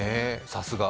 さすが。